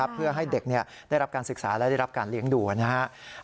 เพื่อให้เด็กได้รับการศึกษาและได้รับการเลี้ยงดูนะครับ